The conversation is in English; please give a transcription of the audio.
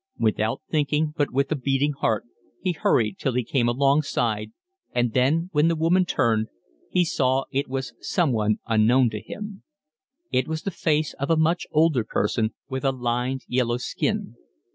Without thinking, but with a beating heart, he hurried till he came alongside, and then, when the woman turned, he saw it was someone unknown to him. It was the face of a much older person, with a lined, yellow skin.